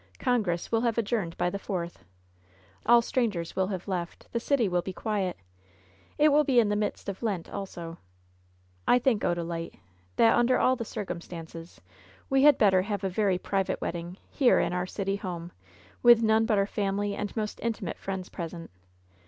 "Congress will have adjourned by the fourth. All strangers will have left. The city will bo quiet. It will be in the midst of Lent also. I think, Odalite, that, imder all the circumstances, we had better have a very private wedding, here in our city home, with none but our family and most intimate friends present.